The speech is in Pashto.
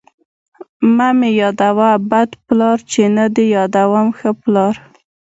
ـ مه مې يادوه بد پلار، چې نه دې يادوم ښه پلار.